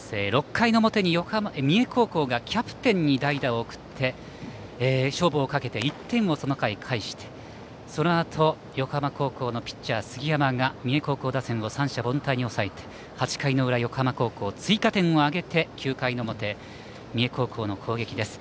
６回の表に三重高校がキャプテンに代打を送って勝負をかけて１点を、その回、返してそのあと、横浜高校のピッチャー杉山が三重高校打線を三者凡退に抑えて８回の裏、横浜高校追加点を挙げて９回表、三重高校の攻撃です。